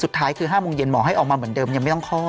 สุดท้ายคือ๕โมงเย็นหมอให้ออกมาเหมือนเดิมยังไม่ต้องคลอด